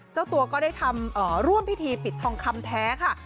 เจ้าตัวก็ได้ทำร่วมพิธีปิดทองคำแท้ค่ะ